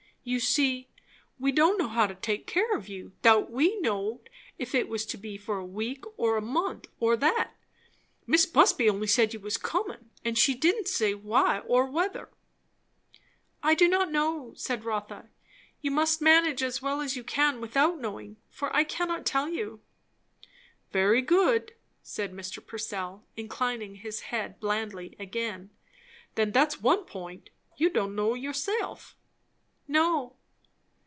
"You see, we don' know how to take care of you, 'thout we knowed if it was to be for a week, or a month, or that. Mis' Busby only said you was comin'; and she didn't say why nor whether." "I do not know," said Rotha. "You must manage as well as you can without knowing; for I cannot tell you." "Very good!" said Mr. Purcell, inclining his head blandly again; "then that's one point. You don' know yourself." "No."